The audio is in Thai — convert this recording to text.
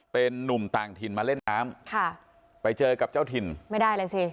เป็นนุ่มต่างถิ่นมาเล่นน้ำค่ะไปเจอกับเจ้าถิ่นไม่ได้เลยสิ